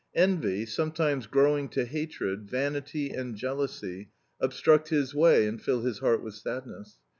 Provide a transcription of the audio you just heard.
Envy, sometimes growing to hatred, vanity and jealousy, obstruct his way and fill his heart with sadness.